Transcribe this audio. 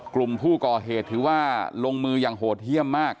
กลุ่มผู้ก่อเหตุถือว่าลงมืออย่างโหดเยี่ยมมาก